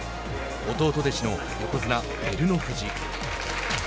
弟弟子の横綱・照ノ富士。